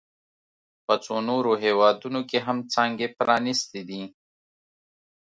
په څو نورو هېوادونو کې هم څانګې پرانیستي دي